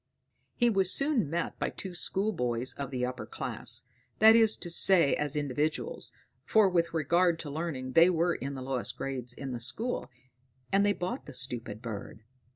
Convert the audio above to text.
He was soon met by two schoolboys of the upper class that is to say as individuals, for with regard to learning they were in the lowest class in the school; and they bought the stupid bird.